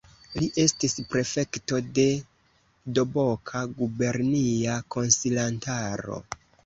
Li estis prefekto de Doboka, gubernia konsilantaro.